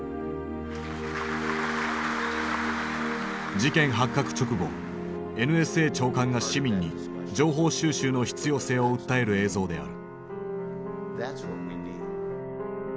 事件発覚直後ＮＳＡ長官が市民に情報収集の必要性を訴える映像である。